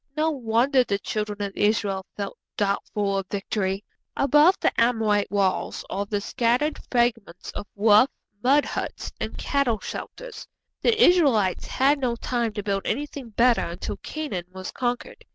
No wonder the Children of Israel, felt doubtful of victory! Above the Amorite walls are the scattered fragments of rough mud huts and cattle shelters. The Israelites had no time to build anything better until Canaan was conquered.